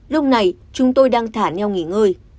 lúc này chúng tôi đang thả nhau nghỉ ngơi